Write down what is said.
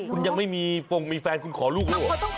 คุณยังไม่มีฟงมีแฟนคุณขอลูกด้วยเหรอ